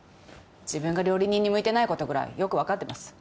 自分が料理人に向いてないことぐらいよく分かってます。